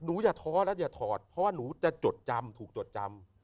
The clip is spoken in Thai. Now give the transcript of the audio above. อย่าท้อแล้วอย่าถอดเพราะว่าหนูจะจดจำถูกจดจำ